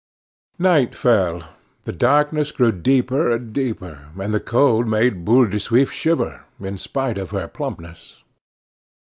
Night fell, the darkness grew deeper and deeper, and the cold made Boule de Suif shiver, in spite of her plumpness.